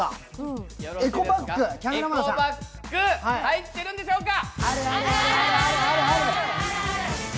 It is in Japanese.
エコバッグ、入ってるんでしょうか？